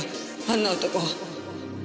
あんな男。